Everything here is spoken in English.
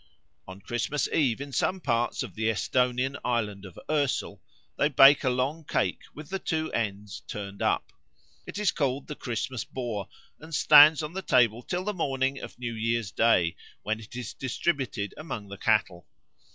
On Christmas Eve in some parts of the Esthonian island of Oesel they bake a long cake with the two ends turned up. It is called the Christmas Boar, and stands on the table till the morning of New Year's Day, when it is distributed among the cattle.